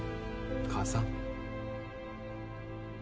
母さん